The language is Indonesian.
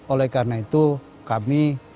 oleh karena itu kami